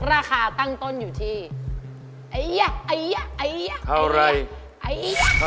ราคาตั้งต้นอยู่ที่ไอ้ยะไอ้ยะไอ้ยะไอ้ยะไอ้ยะหกสิบเจ็ดหกสิบเจ็ด